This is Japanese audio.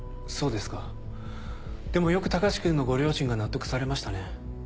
でもよく隆君のご両親が納得されましたね。